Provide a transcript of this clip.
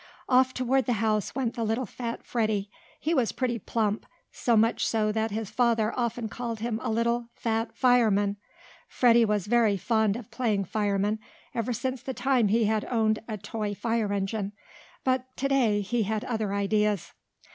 Off toward the house went the little fat Freddie. He was pretty plump so much so that his father often called him a little "fat fireman." Freddie was very fond of playing fireman, ever since the time he had owned a toy fire engine. But to day he had other ideas.